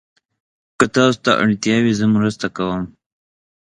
که تاسو ته اړتیا وي، زه مرسته کوم.